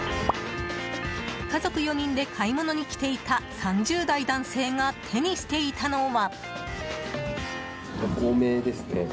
家族４人で買い物にきていた３０代男性が手にしていたのは。